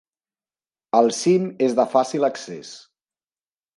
El cim és de fàcil accés.